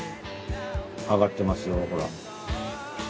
揚がってますよほら。